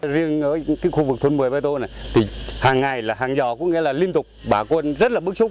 riêng ở khu vực thuận mùi bãi tô này hàng ngày là hàng dò cũng nghĩa là liên tục bà con rất là bức xúc